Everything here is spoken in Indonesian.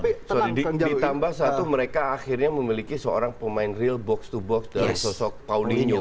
sorry ditambah satu mereka akhirnya memiliki seorang pemain real box to box dari sosok paulinho